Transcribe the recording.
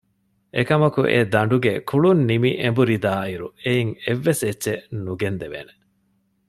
އެކަމަކު އެ ދަނޑުގެ ކުޅުންނިމި އެނބުރިދާއިރު އެއިން އެއްވެސްއެއްޗެއް ނުގެންދެވޭނެ